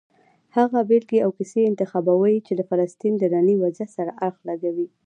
هغه بېلګې او کیسې انتخابوي چې د فلسطین له ننني وضعیت سره اړخ لګوي.